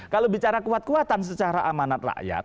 kalau bicara kuat kuatan secara amanat rakyat